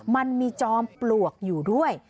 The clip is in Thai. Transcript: มันมีจอมปลวกอยู่ด้วย